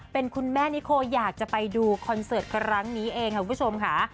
เป็นคุณแม่นิโคอยากจะไปดูคอนเสิร์ตครั้งนี้เองค่ะคุณผู้ชมค่ะ